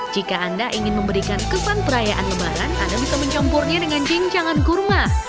jika anda ingin memberikan kesan perayaan lebaran anda bisa mencampurnya dengan cincangan kurma